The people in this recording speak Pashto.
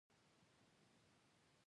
ځان جذاب ګاڼه.